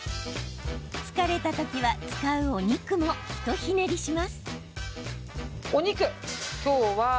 疲れた時は使うお肉も一ひねりします。